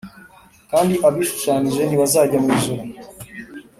kandi abishushanije ntibazajya mw ijuru,